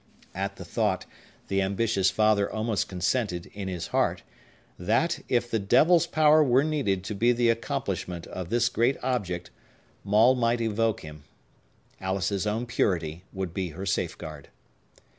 At the thought, the ambitious father almost consented, in his heart, that, if the devil's power were needed to the accomplishment of this great object, Maule might evoke him. Alice's own purity would be her safeguard.